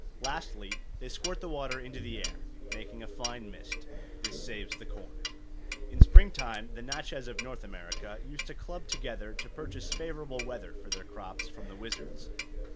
Lastly, they squirt the water into the air, making a fine mist. This saves the corn. In spring time the Natchez of North America used to club together to purchase favourable weather for their crops from the wizards.